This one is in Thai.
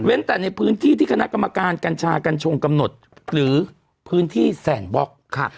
แต่ในพื้นที่ที่คณะกรรมการกัญชากัญชงกำหนดหรือพื้นที่แสนบล็อก